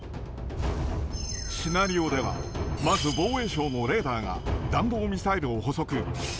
シナリオでは、まず防衛省のレーダーが、弾道ミサイルを捕捉。